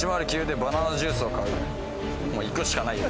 もういくしかないよ